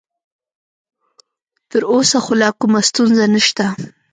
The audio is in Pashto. تر اوسه خو لا کومه ستونزه نشته.